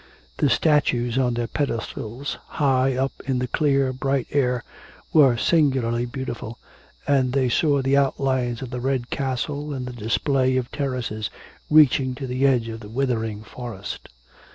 The statues on their pedestals, high up in the clear, bright air, were singularly beautiful, and they saw the outlines of the red castle and the display of terraces reaching to the edge of the withering forest.